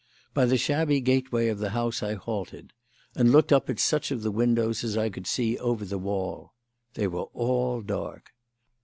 By the shabby gateway of the house I halted and looked up at such of the windows as I could see over the wall. They were all dark.